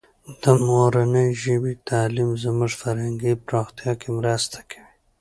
د مورنۍ ژبې تعلیم زموږ فرهنګي پراختیا کې مرسته کوي.